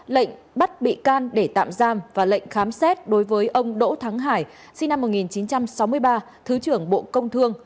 lệnh bắt bị can để tạm giam và lệnh khám xét đối với ông đỗ thắng hải sinh năm một nghìn chín trăm sáu mươi ba thứ trưởng bộ công thương